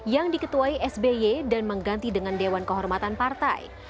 yang diketuai sby dan mengganti dengan dewan kehormatan partai